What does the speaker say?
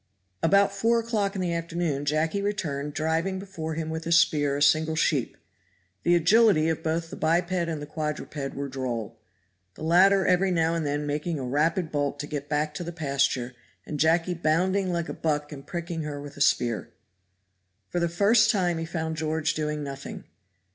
About four o'clock in the afternoon Jacky returned driving before him with his spear a single sheep. The agility of both the biped and quadruped were droll; the latter every now and then making a rapid bolt to get back to the pasture and Jacky bounding like a buck and pricking her with a spear. For the first time he found George doing nothing.